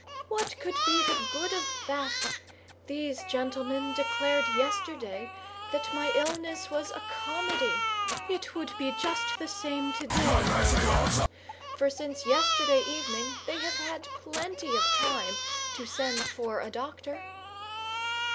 "What could be the good of that? These gentlemen declared yesterday that my illness was a comedy; it would be just the same today, no doubt—for since yesterday evening they have had plenty of time to send for a doctor."